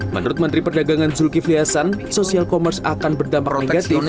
menurut menteri perdagangan zulkifli hasan social commerce akan berdampak negatif